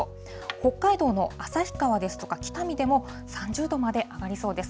北海道の旭川ですとか、北見でも３０度まで上がりそうです。